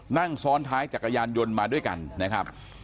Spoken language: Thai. นั่งซ้อนท้ายจักรยานยนต์มาด้วยกันนะครับ